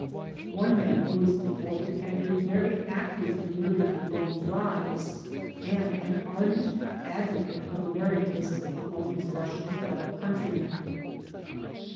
One man who was deported had been very active in WHO THE ARRESTED ALIENS WERE 21 Liberty Loan Drives and an ardent advocate of Amer icanism among his Russian fellow countrymen.